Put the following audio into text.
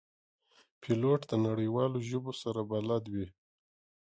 پیلوټ د نړیوالو ژبو سره بلد وي.